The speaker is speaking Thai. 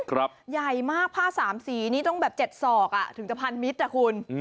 ครับใหญ่มากผ้าสามสีนี่ต้องแบบเจ็ดสอกถึงจะพันมิตรอ่ะคุณ